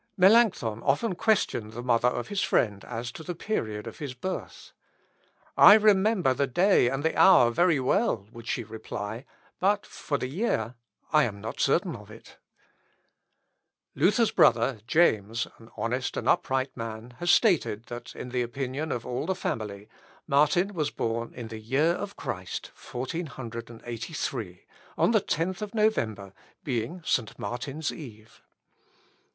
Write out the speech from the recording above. Melancthon often questioned the mother of his friend as to the period of his birth. "I remember the day and the hour very well," would she reply; "but for the year, I am not certain of it." Luther's brother, James, an honest and upright man, has stated, that, in the opinion of all the family, Martin was born in the year of Christ 1483, on the 10th November, being St. Martin's eve.